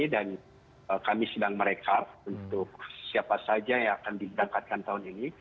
dan kami sedang merekap untuk siapa saja yang akan diberangkatkan tahun ini